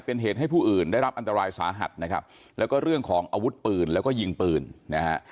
เป็นเหตุให้ผู้อื่นได้รับอันตรายสาหัสนะครับแล้วก็เรื่องของอาวุธปืนแล้วก็ยิงปืนนะฮะ